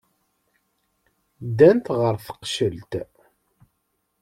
Ddant ɣer teqcelt.